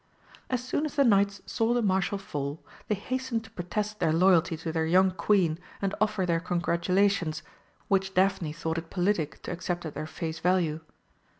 As soon as the knights saw the Marshal fall, they hastened to protest their loyalty to their young Queen and offer their congratulations, which Daphne thought it politic to accept at their face value.